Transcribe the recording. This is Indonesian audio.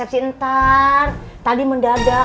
jadi boy oma bikin pandan dari dua ribu delapan